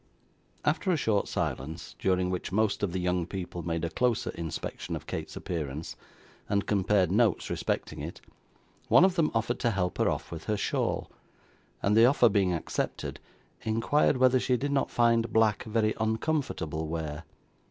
After a short silence, during which most of the young people made a closer inspection of Kate's appearance, and compared notes respecting it, one of them offered to help her off with her shawl, and the offer being accepted, inquired whether she did not find black very uncomfortable wear.